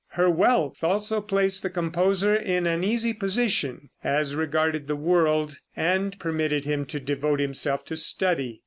Her wealth also placed the composer in an easy position as regarded the world, and permitted him to devote himself to study.